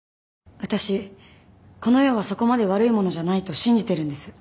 私この世はそこまで悪いものじゃないと信じてるんです。